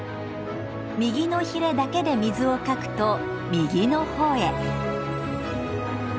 右のひれだけで水をかくと右のほうへ。